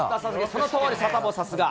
そのとおり、サタボーさすが。